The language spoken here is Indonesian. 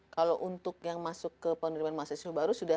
kalau untuk yang masuk ke penerimaan mahasiswa baru